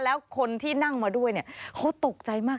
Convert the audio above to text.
แล้วคนที่นั่งมาด้วยเนี่ยเขาตกใจมาก